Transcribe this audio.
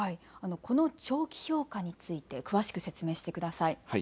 この長期評価について詳しく説明してください。